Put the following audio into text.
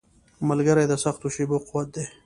ملګری د سختو شېبو قوت دی.